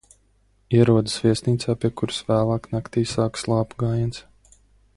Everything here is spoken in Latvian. Ierodas viesnīcā, pie kuras vēlāk naktī sākas lāpu gājiens.